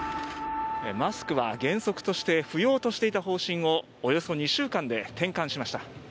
マスクは原則として不要としていた方針をおよそ２週間で転換しました。